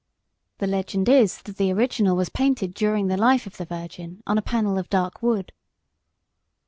The legend is that the original was painted during the life of the Virgin, on a panel of dark wood.